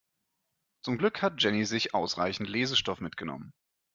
Zum Glück hat Jenny sich ausreichend Lesestoff mitgenommen.